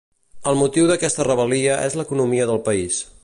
El motiu d'aquesta rebel·lia és l'economia del país.